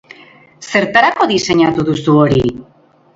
Zertarako diseinatu duzu hori?